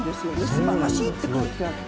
素晴らしいって書いてあって。